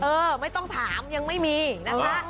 ไม่ต้องถามยังไม่มีนะคะ